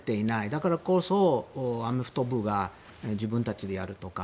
だからこそ、アメフト部が自分たちでやるとか。